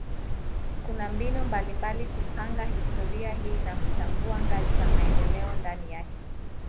Kuna mbinu mbalimbali kupanga historia hii na kutambua ngazi za maendeleo ndani yake.